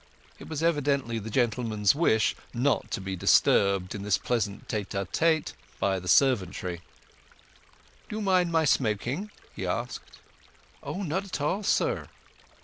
It was evidently the gentleman's wish not to be disturbed in this pleasant tête à tête by the servantry. "Do you mind my smoking?" he asked. "Oh, not at all, sir."